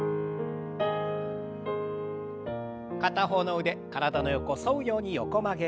片方の腕体の横沿うように横曲げ。